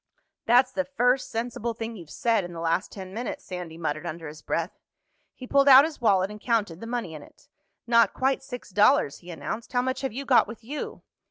"That's the first sensible thing you've said in the last ten minutes," Sandy muttered under his breath. He pulled out his wallet and counted the money in it. "Not quite six dollars," he announced. "How much have you got with you?"